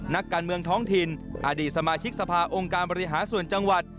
นักการเมืองท้องถิ่นอดีตสมาชิกสภาองค์การบริหารส่วนจังหวัด